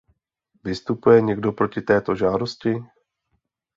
Vystupuje někdo proti této žádosti?